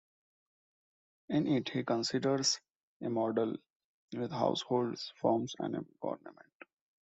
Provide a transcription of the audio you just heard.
In it he considers a model with households, firms and a government.